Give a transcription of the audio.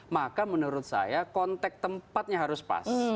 maka menurut saya kontak tempatnya harus pas